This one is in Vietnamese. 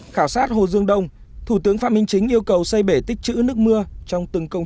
khảo sát hồ dương đông thủ tướng phạm minh chính yêu cầu xây bể tích chữ nước mưa trong từng công